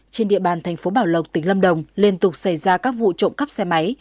trên địa bàn tp bảo lộc tỉnh lâm đồng liên tục xảy ra các vụ trộm cắp xe máy